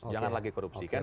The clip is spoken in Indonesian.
jangan lagi korupsikan